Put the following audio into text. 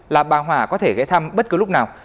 là bà hòa có thể ghé thăm bất cứ lúc nào